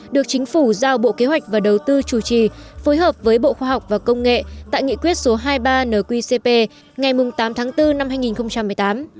được chính phủ giao bộ kế hoạch và đầu tư chủ trì phối hợp với bộ khoa học và công nghệ tại nghị quyết số hai mươi ba nqcp ngày tám tháng bốn năm hai nghìn một mươi tám